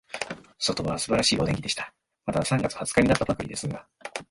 外は素晴らしいお天気でした。まだ三月二十日になったばかりですが、